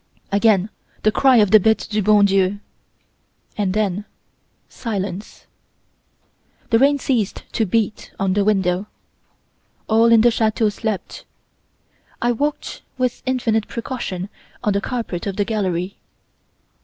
"Again the cry of the Bete du Bon Dieu! and then silence. The rain ceased to beat on the window. All in the chateau slept. I walked with infinite precaution on the carpet of the gallery.